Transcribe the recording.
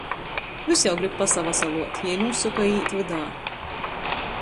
Vys jau grib pasavasaluot, jei nūsoka i īt vydā.